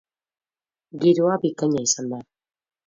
Giroa bikaina izan da.